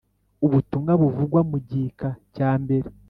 Ubutumwa buvugwa mu gika cya mbere